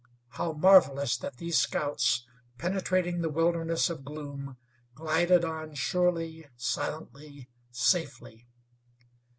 How marvelous that these scouts, penetrating the wilderness of gloom, glided on surely, silently, safely!